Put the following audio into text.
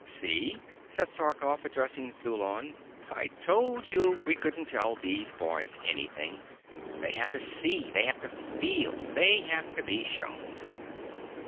"See!" said Sarkoff, addressing Thulon. "I told you we couldn't tell these boys anything. They have to see, they have to feel, they have to be shown."